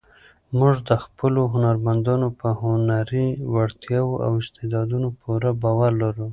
موږ د خپلو هنرمندانو په هنري وړتیاوو او استعدادونو پوره باور لرو.